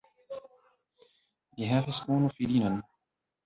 Li havis unu filinon.